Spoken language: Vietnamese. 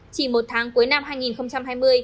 chỉ một tháng cuối năm hai nghìn hai mươi